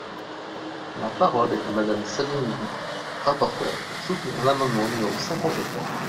La parole est à Madame Sabine Buis, rapporteure, pour soutenir l’amendement numéro cinquante-trois.